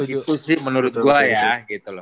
itu sih menurut gua ya gitu loh